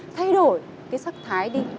thay đổi cái sắc thái đi